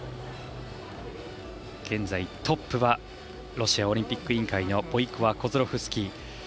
現在トップはロシアオリンピック委員会のボイコワ、コズロフシキー。